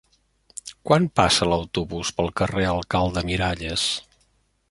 Quan passa l'autobús pel carrer Alcalde Miralles?